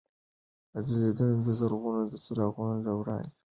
ځلېدنه د زرګونو څراغونو له وړانګو ده.